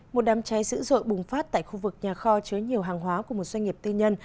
một đám cháy dữ dội bùng phát tại khu vực nhà kho chứa nhiều hàng hóa của một doanh nghiệp tư nhân